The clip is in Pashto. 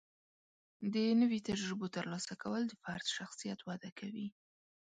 د نوي تجربو ترلاسه کول د فرد شخصیت وده کوي.